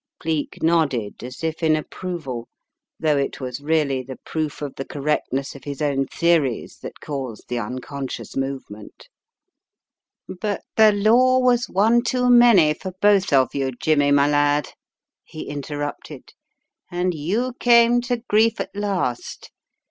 Cleek nodded as if in approval, though it was really the proof of the correctness of his own theories that caused the unconscious movement. Untwisting the Threads 279 "But the law was one too many for both of you, Jimmy my lad," he interrupted, "and you came to grief at last.